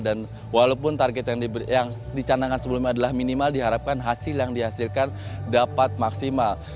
dan walaupun target yang dicanangkan sebelumnya adalah minimal diharapkan hasil yang dihasilkan dapat maksimal